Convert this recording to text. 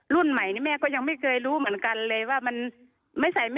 รุ่นใหม่นี้แม่ก็ยังไม่เคยรู้เหมือนกันเลยว่า